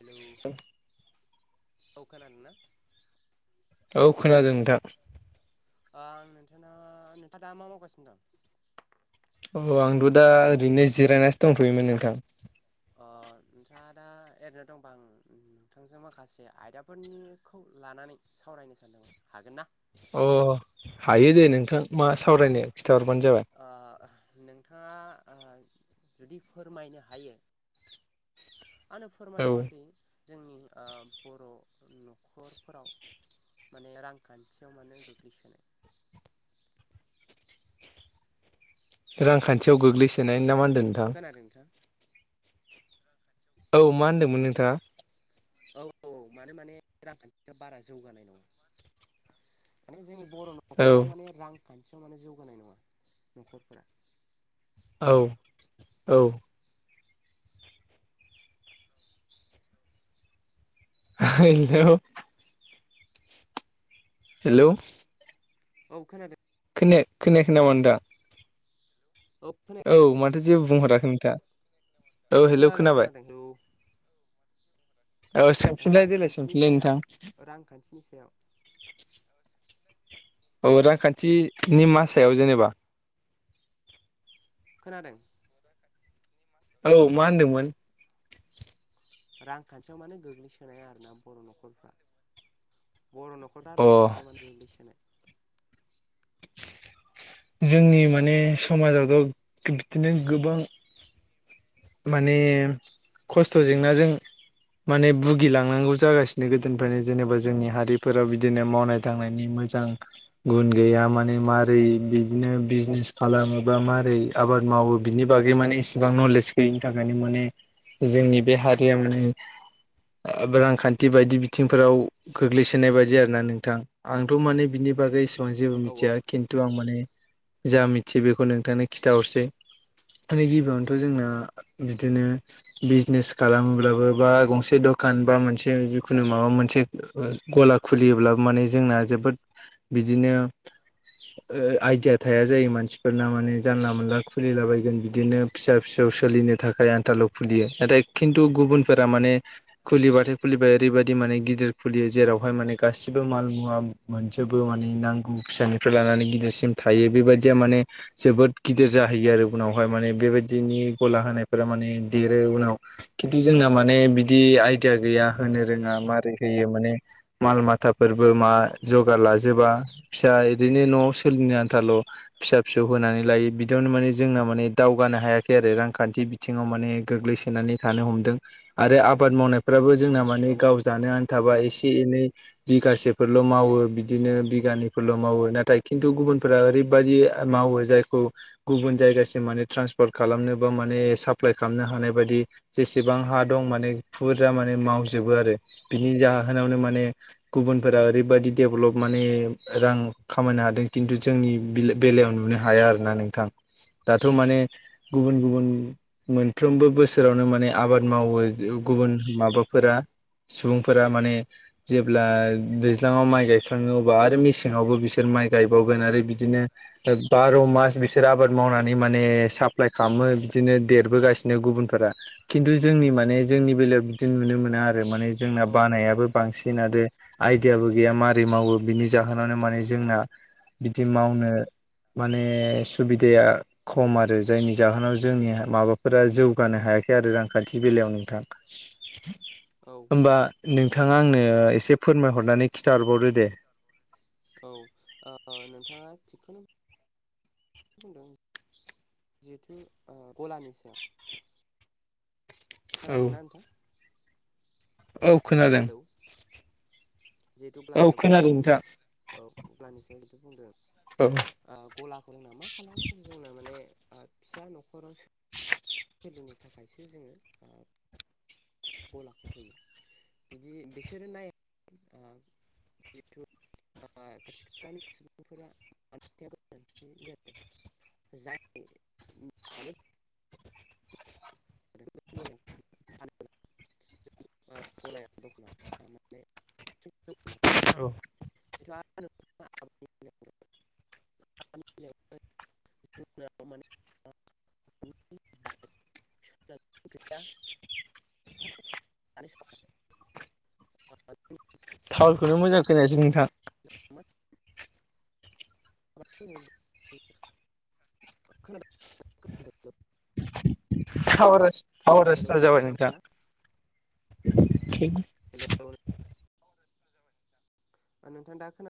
Hello औ खोनादोंना? औ खोनादों नोंथां। आ आं नोंथांना नोंथाङा दा मा मावगासिनो दं? अ आंथ' दा ओरैनो जिरायनानैसो दंथ'योमोन नोंथां। अ नोंथाङा दा एरैनो दंबा आं नोंथांजों माखासे आयदा फोरनिखौ लानानै सावरायनो सानदोंमोन हागोन ना? अ हायो दे नोंथां मा सावरायनो खिथाहरबानो जाबाय। ओ नोंथाङा ओ जुदि फोरमायनो हायो आंनो औ फोरमायहरदि जोंनि बर' न'खरफोराव माने रांखान्थियाव मानो गोग्लैसोनाय? रांखान्थियाव गोग्लैसोनाय ना मा होनदों नोंथां? खोनादों नोंथां? रांखानथियाव औ मा होनदोंमोन नोंथाङा? औ औ माने माने रांखान्थियाव बारा जौगानाय नङा माने जोंनि बर' औ न'खराव माने रांखान्थियाव माने जौगानाय नङा न'खरफोरा। औ औ [unintelligible] हेलौ औ खोनादों। खोनाया खोनायाखै नामा ना नोंथां? औ। खोनाया हेलौ माथो जेबो बुंहराखै नोंथाङा औ हेलौ खोनादों खोनाबाय खोनादों हेलौ औ। औ सोंफिनलाय देलाय रांखान्थिनि सोंफिनलाय नोंथां सायाव रांखान्थिनि सायाव। [inaudible] औ रांखान्थिनि मा सायाव जेनेबा? खोनादों। औ मा होनदोंमोन रांखान्थियाव मानो गोग्लैसोनाय आरोना बर' न'खरफ्रा? बर' न'खरा अ रांखान्थियाव मानो गोग्लैसोनाय? जोंनि माने समाजावथ' गोद-बिदिनो गोबां माने खस्थ' जेंनाजों माने भुगिलांनांगौ जागासिनो गोदोनिफ्रायनो जेनेबा जोंनि हारिफोराव बिदिनो मावनाय ‌ दांनायनि मोजां गुन गैया माने मारै बिदिनो बिजनेस खालामोबा मारै आबाद मावो बिनि बागै माने इसिबां नलेज गैयैनि थाखायनो माने जोंनि बे हारिया माने रांखान्थि बायदि बिथिंफोराव गोग्लैसोनाय बायदि आरो ना नोंथां। आंथ' माने बिनि बागै एसेबां जेबो औ औ मिथिया खिन्थु आं माने जा मिथियो बेखौ नोंथांनो खिथाहरसै माने गिबियावनोथ' जोंना बिदिनो बिजनेस खालामोब्लाबो बा गंसे दखान बा मोनसे जिखुनु माबा मोनसे गला खुलियोब्लाबो माने जोंना जोबोद बिदिनो ओ आइदिया थाया जायो मानसिफोरना माने जानला मोनला खुलिलाबायगोन बिदिनो फिसा फिसौ सोलिनो थाखाय आन्थाल' खुलियो नाथाय खिन्थु गुबुनफोरा माने खुलिबाथाय खुलिबाय ओरैबायदि माने गिदिर खुलियो जेरावहाय माने गासिबो माल मुवा मोनजोबो माने नांगौ फिसानिफ्राय लानानै गिदिरसिम थायो बेबायदिया माने जोबोद गिदिर जाहैयो आरो उनावहाय माने बेबादिनि गला होनायफोरा माने देरो उनाव खिन्थु जोंना माने बिदि औ औ आयदिया नंगौ गैया। होनो रोङा मारै होयो माने माल माथाफोरबो मा जगार लाजोबा फिसा एदिनो न' सोलिनो आन्थाल' फिसा फिसौ होनानै लायो बिदियावनो माने जोंना माने दावगानो हायाखै आरो रां खान्थि बिथिङाव माने गोग्लैसोनानै थानो हमदों। आरो आबाद मावनायफ्राबो जोंना औ माने गाव जानो आनथाबा एसे एनै बिगासेफोरल' मावो बिदिनो बिगानैफोरल' मावो नाथाय खिन्थु गुबुनफोरा ओरैबायदि आ मावो जायखौ गुबुन जायगासिम माने थ्रानसफार खालामनो बो माने साप्लाय खालामनो हानाय बायदि जेसेबां हा दं माने फुरजा माने मावजोबो आरो बिनि जाहोनावनो माने गुबुनफोरा ओरैबायदि देबलप माने रां खामायनो हादों खिन्थु जोंनि बिलो बेलायाव नुनो हाया आरोना नोंथां। दाथ' माने गुबुन गुबुन मोनफ्रोमबो बोसोरावनो माने आबाद औ मावो जो गुबुन माबाफोरा सुबुंफोरा माने जेब्ला दैज्लाङाव माइ गायखाङो अबा आरो मेसेङावबो बिसोर माइ औ गायबावगोन आरो बिदिनो दा बार' मास बिसोर आबाद मावनानै माने साप्लाय खाममो बिदिनो देरबोगासिनो गुबुनफोरा खिन्थु जोंनि माने जोंनि बेलायाव बिदि नुनो मोना आरो माने जोंना बानायाबो बांसिन आरो आयदियाबो गैया मारै मावो बिनि जाहोनावनो माने जोंना बिदि मावनो माने सुबिदाया खम आरो जायनि जाहोनाव जोंनि माबाफोरा जौगानो हायाखै आरो रांखान्थि बेलायाव नोंथां। औ होमबा नोंथाङा आंनो एसे फोरमायहरनानै खिन्था हरबावदो दे। औ आ ओ नोंथाङा थिगखोनो बुंदों जिहेथु ओ गलानि सायाव औ खोनादो ना नोंथां? औ खोनादों। जिहेतु औ ब्लानिं सायाव बुंदों खोनादों नंगौ नोंथां औ ब्लानिं सायाव जिहेथु बुंदों। औ आ गलाखौ जोंना मा खालामो जोंना माने आ फिसा न'खरावसो सोलिनो थाखायसो जोङो आ गलाखौ होयो। बिदि बिसोरो नाय आ जिहेथु [unintelligible] खाथि खालानि सुबुंफोरा दान्थे बिदान्थे जादों। जायनि उम [unintelligible] [unintelligible] आ गलाया दखाना आ माने [unintelligible] औ [unintelligible] [unintelligible] [inaudible] सोदां गैया [unintelligible] [unintelligible] थावरखोनो मोजां खोनायासै नोंथां। [unintelligible] [unintelligible] टावारा हेलौ टावारासो जाबाय नोंथां। खोनादोंना [inaudible] हेल' नोंथांङा दा खोन